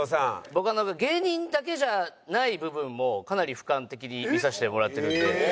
僕はなんか芸人だけじゃない部分もかなり俯瞰的に見させてもらってるんで。